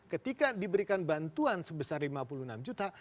ketika diberikan bantuan sebesar lima puluh enam juta